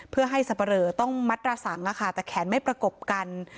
เพื่อให้สับปะเหลอต้องมัดระสังแต่แขนไม่ประกบกัน